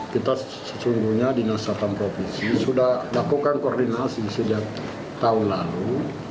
kita sesungguhnya dinas kesehatan provinsi sudah lakukan koordinasi sejak tahun lalu